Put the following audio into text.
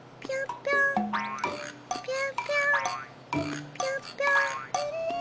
ぴょんぴょん！